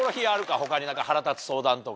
他に何か腹立つ相談とか。